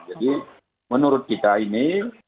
jadi menurut kita ini